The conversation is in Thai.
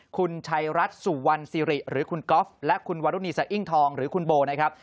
คุณชัยรัฐสุวรรณสิริหรือคุณก๊อฟและคุณวารุณีสะอิ้งทองหรือคุณโบนะครับ